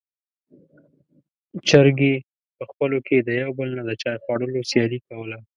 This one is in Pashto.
چرګې په خپلو کې د يو بل نه د چای خوړلو سیالي کوله.